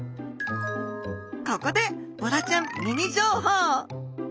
ここでボラちゃんミニ情報。